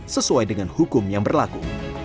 sesuai dengan hukum yang berlaku